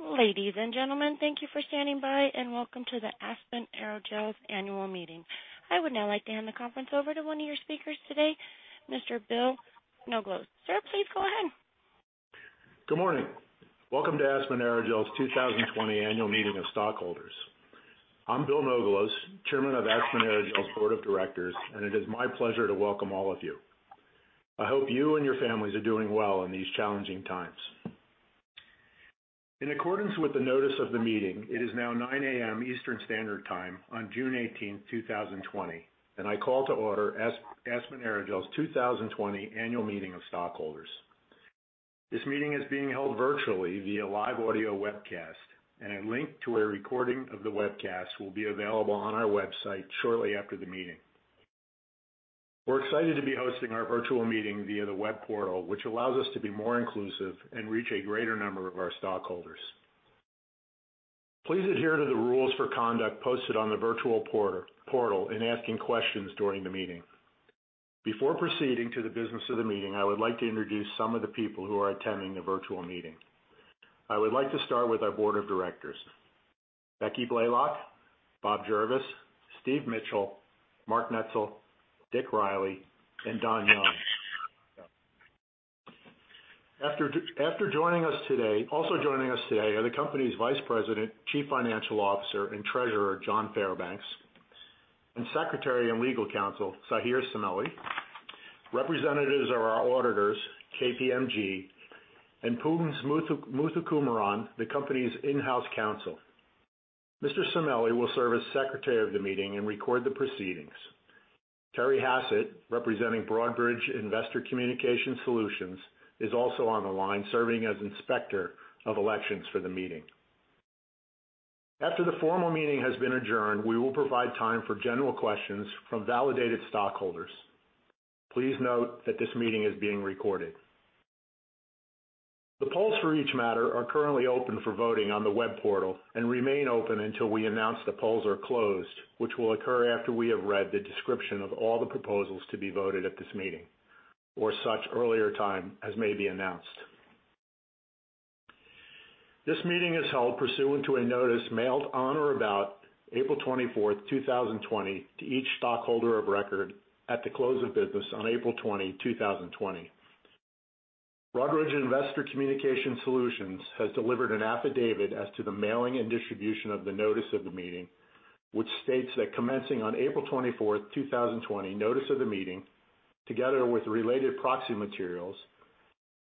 Ladies and gentlemen, thank you for standing by and welcome to the Aspen Aerogels annual meeting. I would now like to hand the conference over to one of your speakers today, Mr. Bill Noglows. Sir, please go ahead. Good morning. Welcome to Aspen Aerogels' 2020 Annual Meeting of Stockholders. I'm Bill Noglows, Chairman of Aspen Aerogels Board of Directors, and it is my pleasure to welcome all of you. I hope you and your families are doing well in these challenging times. In accordance with the notice of the meeting, it is now 9:00 A.M. Eastern Standard Time on June 18, 2020, and I call to order Aspen Aerogels' 2020 Annual Meeting of Stockholders. This meeting is being held virtually via live audio webcast, and a link to a recording of the webcast will be available on our website shortly after the meeting. We're excited to be hosting our virtual meeting via the web portal, which allows us to be more inclusive and reach a greater number of our stockholders. Please adhere to the rules for conduct posted on the virtual portal in asking questions during the meeting. Before proceeding to the business of the meeting, I would like to introduce some of the people who are attending the virtual meeting. I would like to start with our Board of Directors: Becky Blaylock, Bob Gervis, Steve Mitchell, Mark Noetzel, Dick Riley, and Don Young. After joining us today, also joining us today are the company's Vice President, Chief Financial Officer, and Treasurer, John Fairbanks, and Secretary and Legal Counsel, Sahir Surmeli. Representatives are our auditors, KPMG, and Poongunran Muthukumaran, the company's in-house counsel. Mr. Surmeli will serve as Secretary of the meeting and record the proceedings. Terry Hassett, representing Broadridge Investor Communication Solutions, is also on the line serving as Inspector of Elections for the meeting. After the formal meeting has been adjourned, we will provide time for general questions from validated stockholders. Please note that this meeting is being recorded. The polls for each matter are currently open for voting on the web portal and remain open until we announce the polls are closed, which will occur after we have read the description of all the proposals to be voted at this meeting or such earlier time as may be announced. This meeting is held pursuant to a notice mailed on or about April 24, 2020, to each stockholder of record at the close of business on April 20, 2020. Broadridge Investor Communication Solutions has delivered an affidavit as to the mailing and distribution of the notice of the meeting, which states that commencing on April 24, 2020, notice of the meeting together with related proxy materials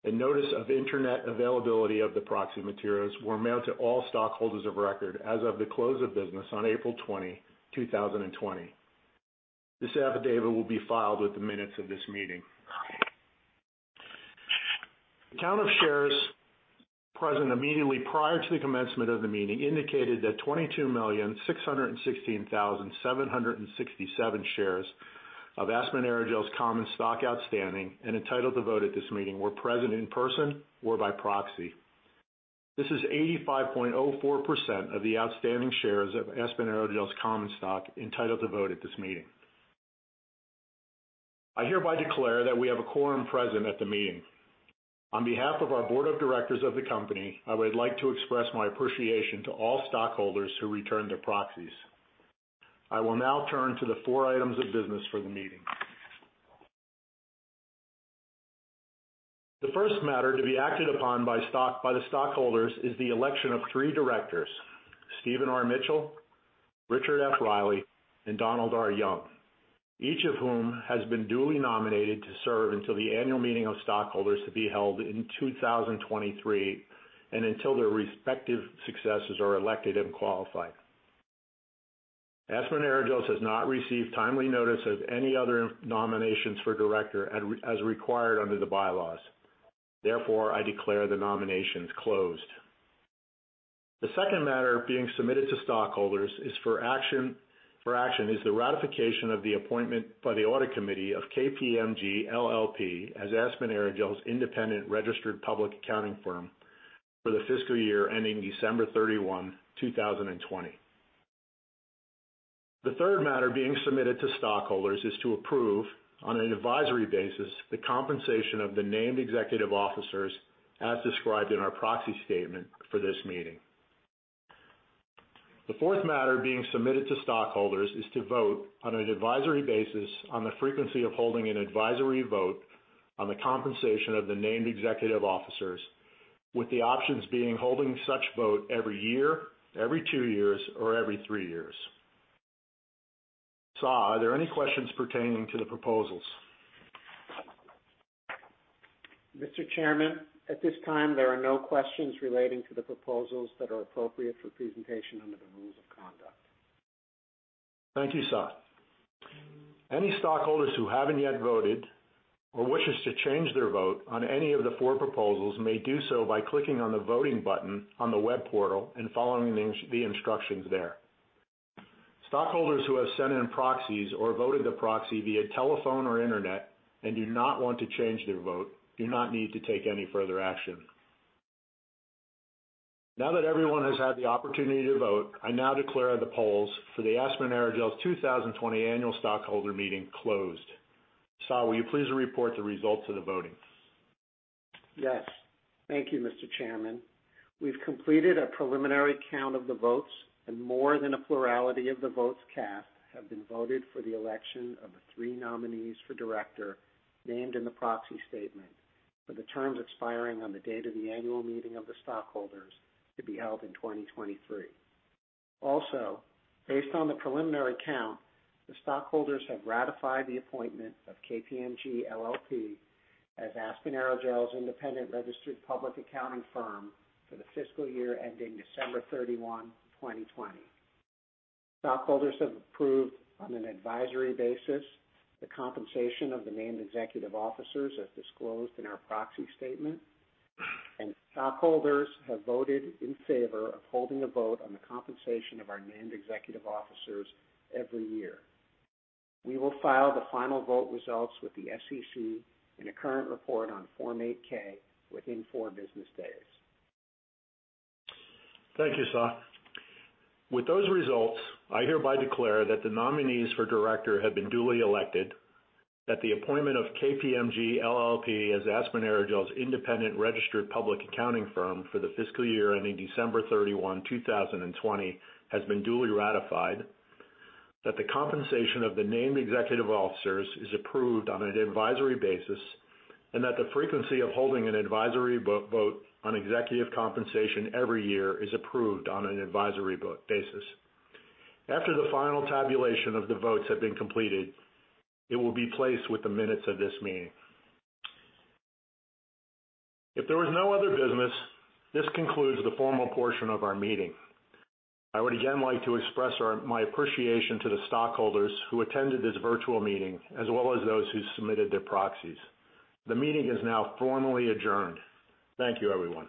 and notice of internet availability of the proxy materials were mailed to all stockholders of record as of the close of business on April 20, 2020. This affidavit will be filed with the minutes of this meeting. The count of shares present immediately prior to the commencement of the meeting indicated that 22,616,767 shares of Aspen Aerogels Common Stock outstanding and entitled to vote at this meeting were present in person or by proxy. This is 85.04% of the outstanding shares of Aspen Aerogels Common Stock entitled to vote at this meeting. I hereby declare that we have a quorum present at the meeting. On behalf of our Board of Directors of the company, I would like to express my appreciation to all stockholders who returned their proxies. I will now turn to the four items of business for the meeting. The first matter to be acted upon by the stockholders is the election of three directors: Stephen R. Mitchell, Richard F. Riley, and Donald R. Young. Each of whom has been duly nominated to serve until the Annual Meeting of Stockholders to be held in 2023 and until their respective successors are elected and qualified. Aspen Aerogels has not received timely notice of any other nominations for Director as required under the bylaws. Therefore, I declare the nominations closed. The second matter being submitted to stockholders for action is the ratification of the appointment by the Audit Committee of KPMG LLP, as Aspen Aerogels' independent registered public accounting firm for the fiscal year ending December 31, 2020. The third matter being submitted to stockholders is to approve on an advisory basis the compensation of the named executive officers as described in our proxy statement for this meeting. The fourth matter being submitted to stockholders is to vote on an advisory basis on the frequency of holding an advisory vote on the compensation of the named executive officers, with the options being holding such vote every year, every two years, or every three years. Sir, are there any questions pertaining to the proposals? Mr. Chairman, at this time, there are no questions relating to the proposals that are appropriate for presentation under the rules of conduct. Thank you, Sahir. Any stockholders who haven't yet voted or wish to change their vote on any of the four proposals may do so by clicking on the voting button on the web portal and following the instructions there. Stockholders who have sent in proxies or voted the proxy via telephone or internet and do not want to change their vote do not need to take any further action. Now that everyone has had the opportunity to vote, I now declare the polls for the Aspen Aerogels 2020 annual stockholder meeting closed. Sahir, will you please report the results of the voting? Yes. Thank you, Mr. Chairman. We've completed a preliminary count of the votes, and more than a plurality of the votes cast have been voted for the election of the three nominees for director named in the proxy statement for the terms expiring on the date of the Annual Meeting of the Stockholders to be held in 2023. Also, based on the preliminary count, the stockholders have ratified the appointment of KPMG LLP, as Aspen Aerogels independent registered public accounting Firm for the fiscal year ending December 31, 2020. Stockholders have approved on an advisory basis the compensation of the named executive officers as disclosed in our proxy statement, and stockholders have voted in favor of holding a vote on the compensation of our named executive officers every year. We will file the final vote results with the SEC in a current report on Form 8-K within four business days. Thank you, Sahir. With those results, I hereby declare that the nominees for director have been duly elected, that the appointment of KPMG LLP, as Aspen Aerogels' independent registered public accounting firm for the fiscal year ending December 31, 2020, has been duly ratified, that the compensation of the named executive officers is approved on an advisory basis, and that the frequency of holding an advisory vote on executive compensation every year is approved on an advisory basis. After the final tabulation of the votes has been completed, it will be placed with the minutes of this meeting. If there was no other business, this concludes the formal portion of our meeting. I would again like to express my appreciation to the stockholders who attended this virtual meeting as well as those who submitted their proxies. The meeting is now formally adjourned. Thank you, everyone.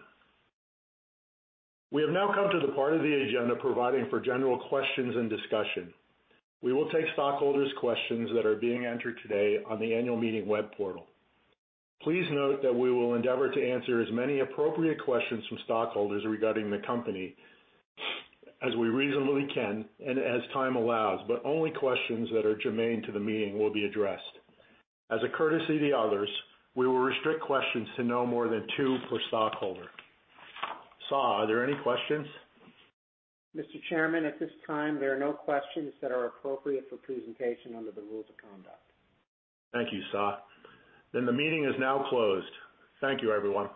We have now come to the part of the agenda providing for general questions and discussion. We will take stockholders' questions that are being entered today on the annual meeting web portal. Please note that we will endeavor to answer as many appropriate questions from stockholders regarding the company as we reasonably can and as time allows, but only questions that are germane to the meeting will be addressed. As a courtesy to others, we will restrict questions to no more than two per stockholder. Sahir, are there any questions? Mr. Chairman, at this time, there are no questions that are appropriate for presentation under the rules of conduct. Thank you, Sahir. Then the meeting is now closed. Thank you, everyone.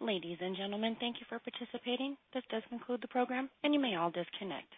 Ladies and gentlemen, thank you for participating. This does conclude the program, and you may all disconnect.